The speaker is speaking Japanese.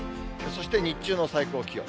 そして日中の最高気温。